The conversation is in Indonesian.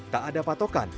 tak ada patokan